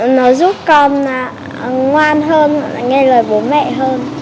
nó giúp con ngoan hơn nghe lời bố mẹ hơn